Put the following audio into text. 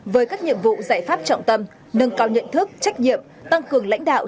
với các nhiệm vụ giải pháp trọng tâm nâng cao nhận thức trách nhiệm tăng cường lãnh đạo